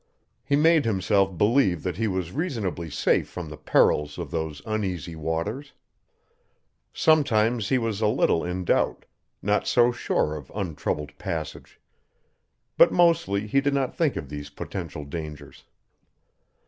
He made himself believe that he was reasonably safe from the perils of those uneasy waters. Sometimes he was a little in doubt, not so sure of untroubled passage. But mostly he did not think of these potential dangers.